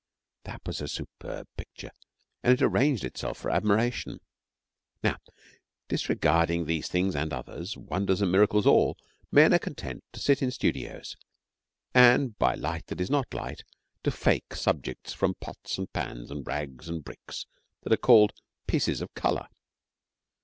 That was a superb picture and it arranged itself to admiration. Now, disregarding these things and others wonders and miracles all men are content to sit in studios and, by light that is not light, to fake subjects from pots and pans and rags and bricks that are called 'pieces of colour.'